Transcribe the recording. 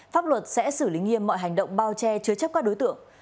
pháp luật sẽ xử lý nghiêm mọi hành động bao che chứa chấp các đối tượng